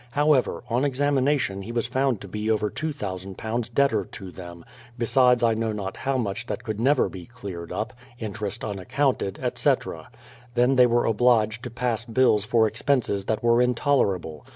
However, on examination he was found to be over £2000 debtor to them, besides I know not how much that could never be cleared up, interest unaccounted, etc. Then they were obliged to pass bills for expenses that were intolerable.